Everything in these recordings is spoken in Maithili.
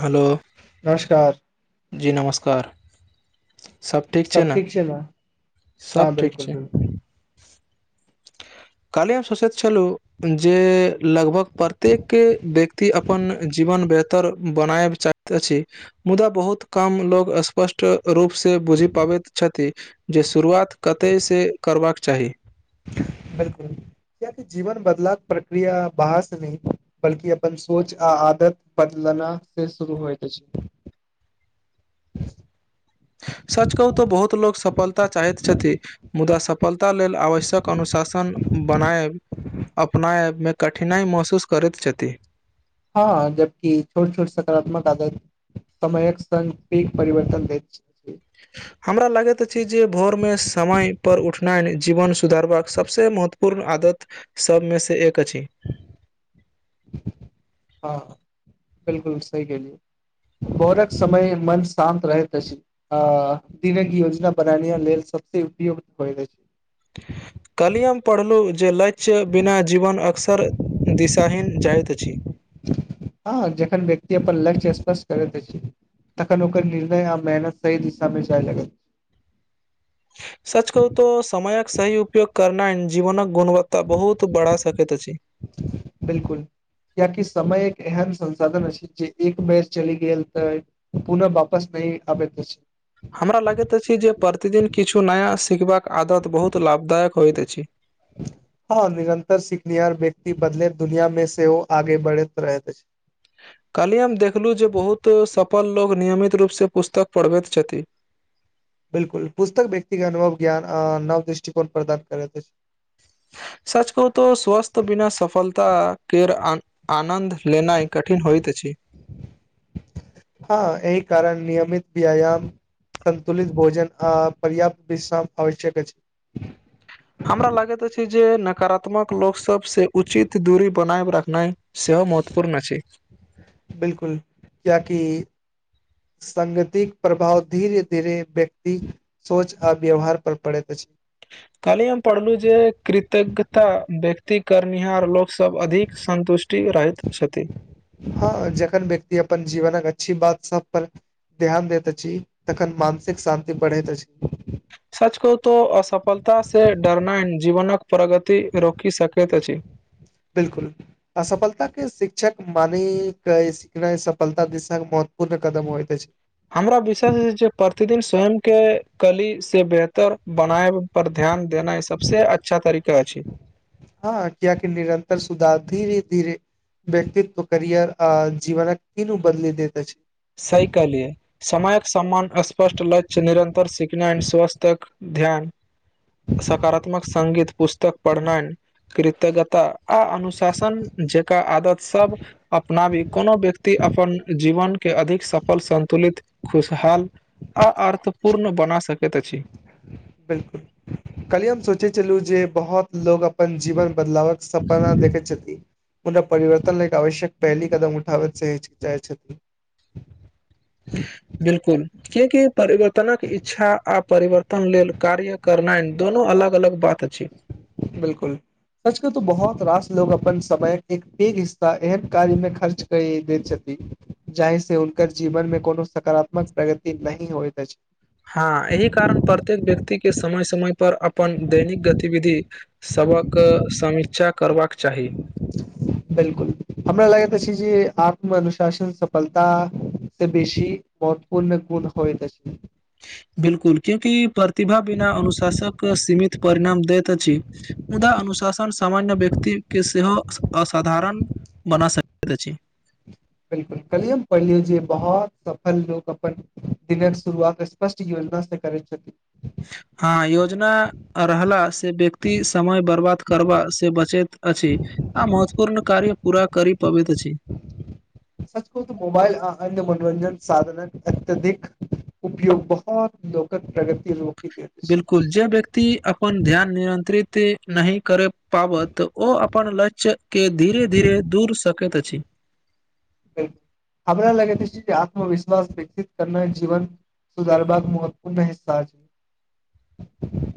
हेलो। नमस्कार। जी नमस्कार। सब ठीक छै नऽ हँ सब ठीक बिल्कुल छै। बिल्कुल कल्हि हम सोचैत छलहुँ जे लगभग प्रत्येक व्यक्ति अपन जीवन बेहतर बनाएब चाहैत अछि मुदा बहुत कम लोग स्पष्ट रूप से बुझि पाबैत छथि जे शुरुआत कतेय से करबाक चाही। बिलकुल कियाकि जीवन बदलाक प्रक्रिया बाहर सँ नय बल्कि अपन सोच आ आदत बदलना से शुरू होइत अछि सच कहू तो बहुत लोको सफलता चाहैत छथि मुदा सफलता लेल आवश्यक अनुशासन बनाएब अपनाएव मे कठिनाइ महसूस करैत छथि हँ जबकि छोट छोट सकारात्मक आदार समयक संग ठीक परिवर्तन दै छै [inaudible] हमरा लगैत अछि जे भोरमे समय पर उठनाइन जीवन सुधारबाक सभसे महत्वपूर्ण आदत सबमे से एक अछि हँ बिलकुल सहि केलिये भोरक समय मन शान्त रहैत अछि अ दिनक योजना बना। लिय नेसबसे उपयु्त होयत अछि कलियम पढ़लहुँ जे लक्ष्य बिना जीवन अक्सर दिशाहिीन जाइत छी हँ जखन व्यक्ति अपन लक्ष्य अस्पष्ट करैत छै तखन ओकर निर्णय आ मेहनत सही दिशा में जाय लगत सच कहू तऽ समयक सही उपयोग करनाययजीवनक गुणवत्ता बहुत बढ़ा सकैत अछि बिलकुल कियकि समय एक एहन संसाधन अछि जे एक बेर चलि गेल तऽ पुनः वापस नहि आबैत छै हमरा लगैत अछि जे प्रतिदिन किछु नया सिखबाक आदत बहुत लाभदायक होइत अछि हँ निरंतर सिखनिहार व्यक्ति बदले दुनिया में सेहो आगे बढ़ैत रहैत अछि कहलिय हम देखलू जे बहुत सफल लोग नियमित रूप से पुस्तक पढ़बैत छथिन बिलकुल पुस्तक व्यक्तिे अनुभव ज्ञान नव दृष्टिकोण प्रदान करे सच कह तो स्वस्थ बिना सफलता केर आनन्द लेनाइ कठिन होइतइत अछि हँ एहि कारण नियमित व्यायाम सन्तुलित भोजन आ पर्याप्त विष्रााम आवश्यक छै हमरा लागैत अछि छै जे नकारात्मक लोक सब से उचित दूरी बनाय रखनाइ सेहो महत्वपूर्ण अ छि बिलकुल ये किि सगतिक प्रभाव धीरे धीरे व्यक्ति सोच आ व्यवहार पर पड़े त अछि कली हम पढ़लु जे कृतज्ञता व्यक्ति करर्निहार लोक सब अधिक संन्तुष्ट टिन रहैत छथि हँ जखन व्यक्ति अपन जीवनक अच्छी बात सब पर ध्यान दैत अछि तखन मानसिक शान्ति बढ़ैत अछि सच कतो असफलतासँ डरनाइ जीवनके प्रगति रोकि सकैत अछि बिलकुल असफलता के शिक्षक माने के रहि सफलता दिशा महत्वपूर्ण कदम होइत अछि हमरा विश्वष जे प्रतिदिन स्वयं के कली से बेहतर बनायब पर ध्यान देना ई सबसँ अच्छा तरीका छै हँ किएक निरन्तर सुधार धीरे धीरे व्यक्तित्व करियर आ जीवन को तीनो बदल देत छै साहि कहलियै समयके सम्मान स्पष्ट लक्ष्य निरन्तर सिखना स्वास्थ्यक ध्यान सकारात्मक सगीत पुस्तक पढ़ीनाय कृतज्ञता आ अनुशासन जेका आदत सब अपनाबी कोनो व्यक्ति अपन जीवन के अधिक सफल सन्तुलित खुशहाल आ अर्थपूर्ण बना सकैत अछि बिलकुल कलिय हम सोचैत छलू जे बहुत लोकोग अपन जीवन बदलावक सपना देखैछथि मुदा परिवर्तन लाएक आवश्यक पेहली कदम उठाबैत चऽ चाहेत छैथ [unintelligible] बिलकुल के केपरिवर्तनक इच्छा आ परिवर्तन अपन लेल कार्य करनाए दोनोू अलग अलग पाठ अछि बिलकुल सच कहू तो बहुत रास लोग अपन समय एक हिस्सा एहन कार्य में खर्च कए दे छथिन जाए से हूनकर जीवन में कोनो सकारात्मक प्रगति नहीं होइत अछि हँ एहि कारण प्रत्येक व्यक्ति केँ समय समय पर अपन दैनिक गतिविधि सभक समीक्षा करबाक चाही बिल्कुल हमरा लागैत छै जे आत्मनुशासन सफलता से बेसी मत्वपूर्ण गुण होत अछि बिल्कुल क्योकि प्रतिभा बिना अनुशास कऽ कऽ सीमित परिणाम दैत अछि मुदा अनुशासन सामान्य व्यक्ति केँ सेहो असाधारण बना सकैत अछि बिल्कुल कल्हि हम पढ़लियें जे बहुत सफल लोक अपन दिनक शुरुआत स्पष्ट योजना से करैत छथि हँ योजना रहला से व्यक्ति समय बर्बाद करबा से बचैत अछि आ महत्वपूर्ण कार्य पूरा करी पाबैत अछि सच कहू तऽ मोबाइल आ अन्य मनोरंजन साधनक अत्यधिक उपयोग बोहोत लोक प्रगति रोकी देत छै कुल जे व्यक्ति अपन ध्यान नियंत्रित नही करब पाबत ओ अपन लक्ष्य केँ धीरे धीरे दूर सकैत अछि [unintelligible] हमरा लगेैत जे आत्मविश्वास विकसित करनाई जीवन सुधारबाआक महत्वूर्ण हिस्सा छै [unintelligible]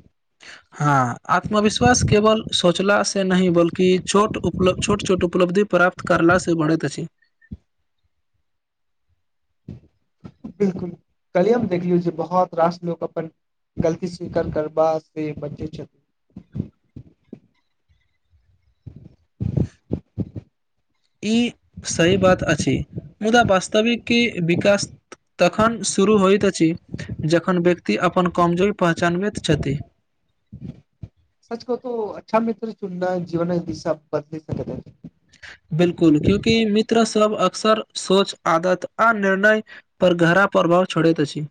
हँ आत्मविश्वास केवल सोचला से नहीं बल्कि छोट उऽ छोट छोट उपलब्धि प्राप्त करलासँ बढ़ैत अछि बिल्कुल कल्हि हम देखलियो बहुत रास लोक अपन गलती स्वीकार करबआ से बच्चे छथि ई सही बात अछि मुदा वास्तविक की विकास तखन शुरू होइत अछि जखन व्यक्ति अपन कमजोरी पहचानबैत छथि सच कहू तो अच्छा मित्र चुननै जीवनए दिशा बदेल सकै बिल्कुल क्यूंकि मित्रा सब अक्सर सोच आदत आ निर्णय पर गहरा प्रभाव छोड़त अछि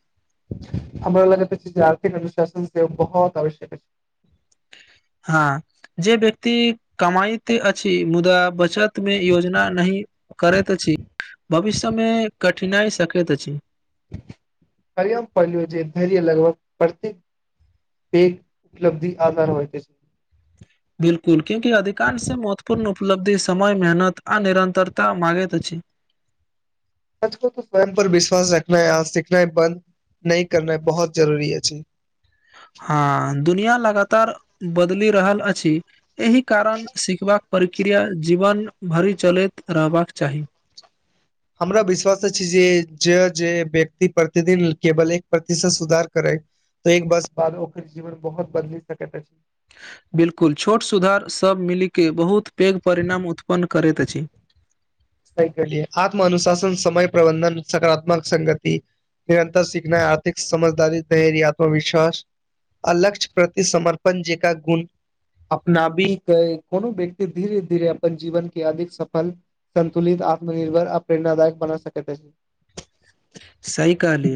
हमरा लागत अछि जे आर्थिक अनुशासन से बोहोत आवश्यक अछि हँ जे व्यक्ति कमाइत अछि मुदा बचत में योजना नहीं करैत अछी भविष्य में कठिनाई सकैत अछि [inaudible] आइए पढ़लियै जे धैर्य लगभग प्रत्येक की [inaudible] उपलब्धि आधार होइत अछि बिल्कुल क्योकि अधिकार से महत्वपूर्ण उपलब्धि समय मेहनत आ निरन्तरता मगैत अछि सच कहूँ तऽ स्वयं पर विश्वास रखनाई आ सीखनाई बन्द नै करनाई बहुत जरूरी अछि हँ दुनिया लगातार बदलि रहल अछि एहि कारण सिखबाक प्रक्रिया जीवन भरि चलैत रहबाक चाही हमरा विश्वास अछि जे जे जे व्यक्ति प्रतिदिन केवल एक प्रतिशत सुधार करै तऽ एक बरस बाद ओकर जीवन बहुत बदलि सकैत अछि बिल्कुल छोट सुधार सभ मिलि केँ बहुत पैघ परिणाम उत्पन्न करैत अछि सहि केहलिए आत्म अनुशासन समय प्रबन्धन सकारात्मक संगति निरन्तर सीखनाइ आर्थिक समझदारी धैर्य आत्मविश्वास अ लक्ष्य प्रति समर्पण जेका गुण अपना बीेकऽ कोनो व्यक्ति धीरे धीरे अपन जीवन के अधिक सफल संन्तुलित आत्मनिर्भर आ प्रेरनादायक बना सकैत अछी सही कहली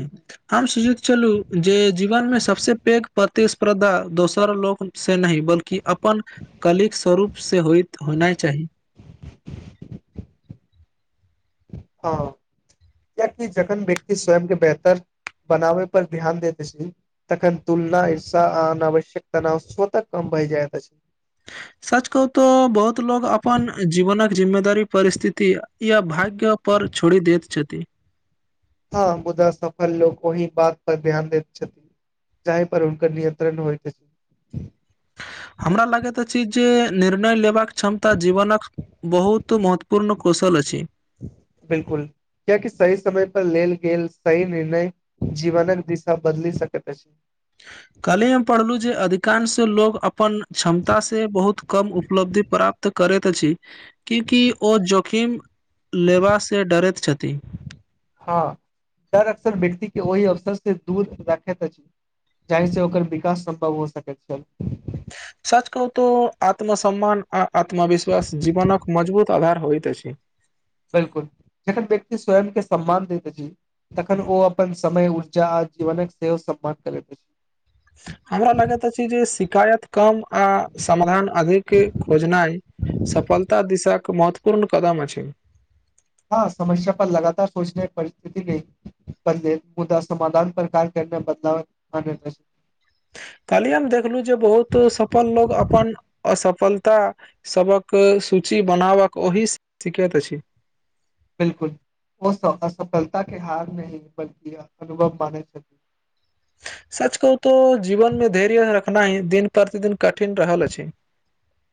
हम सोचित छलू जे जीवन मे सबसे पैघ प्रतिस्पर्धा दोसर लोक से नहि बल्कि कि अपन कलिक स्वरूप से होइत होना चाहि [inaudible] हँ किया कि जखन व्यक्ति स्वयं के बेहतर बनाबे पर ध्यान देत अछि तखन तुलना ईर्षा आ अनावश्यक तनाव स्वतः कम भए जायइत अछि सच कहू तऽ बहुत लोग अपन जीवनक जिम्मेदारी परिस्थिति या भाग्य के ऊपर छोड़ि दैत छथि हँ मुद्दा सफल लोक ओहि बात पर ध्यान देैत छथिन जाहे पर हुनकर नियंत्रण होइत अछि हमरा लागैत अछि जे निर्णय लेबाक क्षमता जीवनक बहुत महत्वपूर्ण कौशल अछी [inaudible] बिलकुल कि आकी सही समय पर लेल गेल सही निर्णय जीवनक दिशा बदलि सकैत अछि कल्हे हम पढ़लू जे अधिकांश लोग अपन क्षमता से बहुत कम उपलब्धि प्राप्त त करैत अछि क्यूकि ओ जोखिम लेबा से डरैत छथि हँ डर अक्सर व्यक्ति के ओहि अवसर से दूर राखैत अछि जाहिसँ ओकर विकास सम्भव हो सकैत छल सच कहू तऽ आत्मसम्मान आ आत्मविश्वास जीवनक मजबूत आधार होइत अछि बिलकुल जखन व्यक्ति स्वयं के सम्मान दैत अछि तखन ओ अपन समय ऊर्जा आ जीवनक सेहो सम्मान करैत अछि हमरा लगैत अछि जे शिकायत कम आ समाधान अधिक खोजनाइ सफलता दिशा क महत्वपूर्ण कदम अछि [inaudible] हँ समस्या पर लगातार सोचने परिस्थिति रही [inaudible] पहिले मुद्दा समधान पर कार्य करनाय बदलाव [unintelligible] कल्हि हम देखलहु जे बहुत सफल लोग अपन असफलता सभक सूची बनाबक ओहि सिखैत अछि बिलकुल ओ सब असफलता के हार नहि बल्कि अनुभव मानै छथिन सच कहू तो जीवन मे धैर्य रखनाय दिन प्रतिदिन कठिन रहल अछि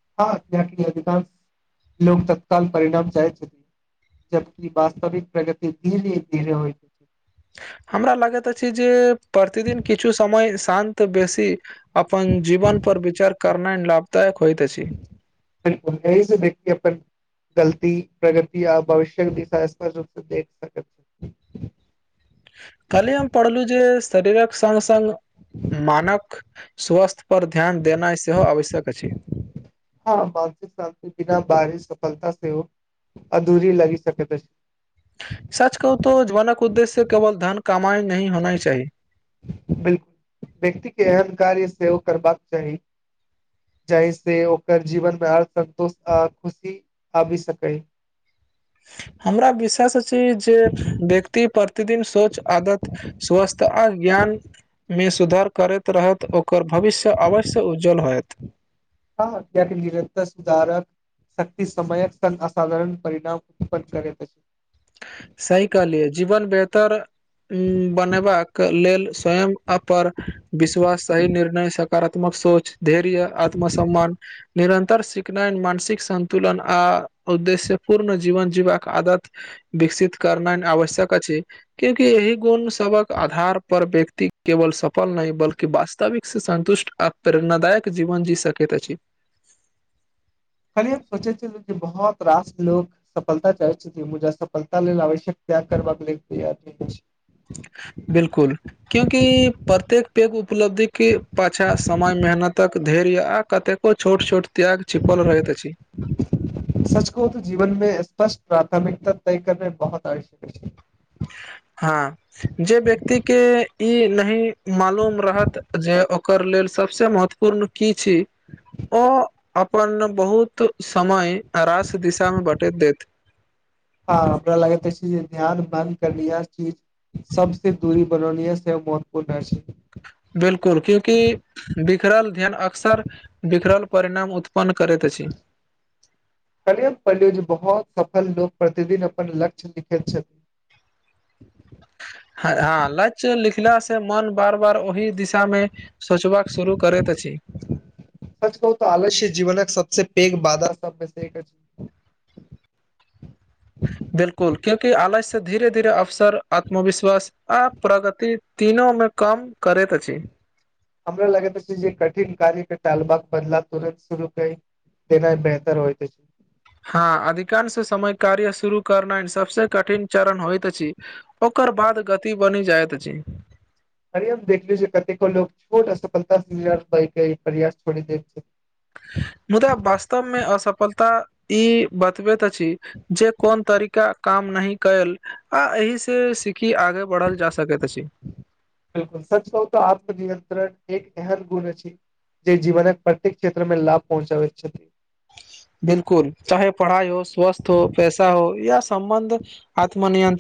[inaudible] हँ कियाकी अधिकांश लोक तत्काल परिणाम चाहे छथि जबकी वास्तविक प्रगति धीरे धीरे होइ हमरा लगैत अछि जे प्रतिदिन किछु समय शांत बेसी अपन जीवन पर विचार करनाय लाभदायक होइत अछि [inaudible] बिलकुल ऐही स व्यक्ति अपन गलती प्रगति आ भविष्य्यक दिशा स्पष्ट रूप से देख सकत कल्ही हम पढ़लहुँ जे शरीरक सङ्ग सङ्ग मानक स्वास्थ्य पर ध्यान देनाइ सेहो आवश्यक अछि हँ मानसिक शान्ति बिना बाहरी सफलता सेहो अधूरी लगि सकैत अछी सच कहू तो जीवनक उद्देश्य केवल धन कमाई नही होनइ चाही [inaudible] बिलकुल व्यक्ति के एहन कार्य सेहो करबाक चाही जाहि से ओकर जीवन में ओर सन्तोष आ खुशी आबि सकै हमरा विषेस अछि जे व्यक्ति प्रतिदिन सोच आदत स्वस्थ आ ज्ञान में सुधर करैत रहत ओकर भविष्य अवश्य उज्ज्वल होयत हँ निरतर सुधारक शक्ति समयक संग असाधारण परिणाम उत्पन्न करैत अछि। सही कहलिए जीवन बेहतर बनेबाक लेल स्वयं अपर विश्वास सही निर्णय सकारात्मक सोच धैर्य आत्म सम्मान निरन्तर सिखनाइ मानसिक संन्तुलन आ उद्देश्य पूर्ण जीवन जीवबाक आदत विकसित कर आवश्यक अछि छै। क्यूंकि एहि गुण सभक आधार पर व्यक्ति केवल सफल नहि बल्कि वास्तविक से सन्तुष्ट आ प्रेरणाादायक जीवन जी सकेत छी। खाली हम सोचे छै। बहुत रास लोको सफलता चाहै छी मुजा सफलता लेल आवश्यक त्याग करबाक लेल तैयार नहि हो छै। बिलकुल। क्यूंकि प्रत्येक पैघ उपलब्धिके पाछा समय मेहनतक धैर्य आ कतेक ओ छोट छोट त्याग चिपाल रहैत अछि सच को त जीवन में स्पष्ट प्राथमिकता तय करने बहुत आवश्यक छै। हँ जे व्यक्ति ई नहि मालूम रहत जे ओकर लेल सभस महत्व पूर्ण की छी ओ अप्पन बहुत समय रास दिशा मे बँटत देत हँ हमरा लागत ध्यान बन्द कर चीज सभ सँ दूरी बनौनी से महत्वपूर्ण छै। बिलकुल क्यंकि बिखरल ध्यन अक्सर बिखरल परिणाम उत्पन्न करैत अछि। कनिय पलू जे बहुत सफल लोकोग प्रतिदिन अपन लक्ष्य लिखैत छथिन। हँ लच्य लिखला से मन बार बार ओहि दिशा में सोचबाक शुरू करैत छी सच कहू तऽ आलस्य जीवन सभ सँ पैघ बधा सभ सऽ बिल्कुल क्यूंकि आलय से धीरे धीरे अवसर आत्मविश्वास आ प्रगति तीनो में कम करैत अछि। हमरा लगैत जे कठिन कार्य के टालब बदलाव तुरन्त शुरू क तना बेहतर होइ छै। हँ अधिकांश समय कार्य शुरू करना सभ से कठिन चरण होइत अछि। ओकर बाद गति बनि जाइत छी अरे हम देखलेय कतेको छोट आ सफलता प्रयास सऽ देर मुदा वास्तव में असफलता ई बतबैत अछि। जे कोन तरीका काम नह कल आ एहि से सिकखी आगे बढ़ल जा सकैत अछि। बिलकुल सच कहू त आत्म नियंत्रण एक अहन गुण छै। जे जीवनक प्रत्येक क्षेत्र मे लाभ पहुँचाबैत छथिन। बिलकुल चाहे पढ़ाई हो स्वस्थ हो पैसा हो या सम्बन्ध आत्मनियंत्रण